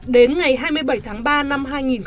đến ngày hai mươi bảy tháng ba năm hai nghìn một mươi năm